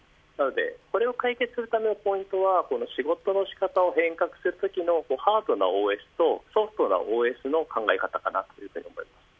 それを解決するためのポイントは仕事の仕方を変革するときのハードなＯＳとソフトなＯＳの考え方だと思います。